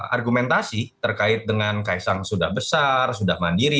argumentasi terkait dengan kaisang sudah besar sudah mandiri